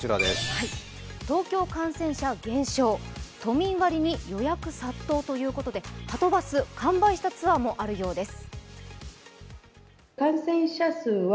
東京、感染者減少、都民割に予約殺到ということで、はとバス、完売したツアーもあるようです。